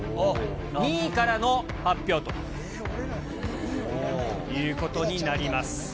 ２位からの発表ということになります。